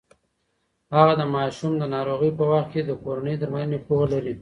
هغه د ماشومانو د ناروغۍ په وخت کې د کورني درملنې پوهه لري.